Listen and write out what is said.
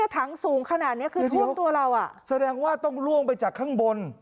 ถังสูงขนาดเนี้ยคือท่วมตัวเราอ่ะแสดงว่าต้องล่วงไปจากข้างบน